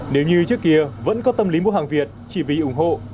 nếu như trước kia vẫn có tâm lý mua hàng việt chỉ vì ủng hộ